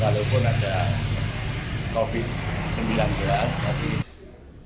walaupun ada covid sembilan belas